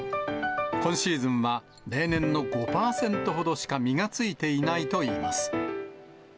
今シーズンは例年の５％ほどしか実がついていないといいます。